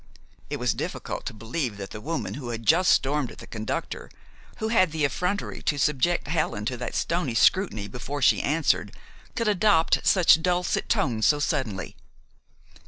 It was difficult to believe that the woman who had just stormed at the conductor, who had the effrontery to subject Helen to that stony scrutiny before she answered, could adopt such dulcet tones so suddenly.